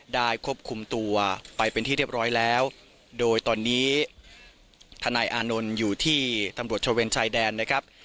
ควบคุมตัวไปเป็นที่เรียบร้อยแล้วโดยตอนนี้ทนายอานนท์อยู่ที่ตำรวจชะเวนชายแดนนะครับ